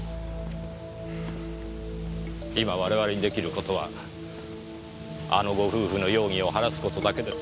今我々に出来る事はあのご夫婦の容疑を晴らす事だけです。